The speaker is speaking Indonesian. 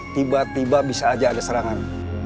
tiba tiba bisa aja ada serangan